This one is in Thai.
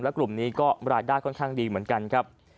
กลุ่มนี้ก็รายได้ค่อนข้างดีเหมือนกันครับ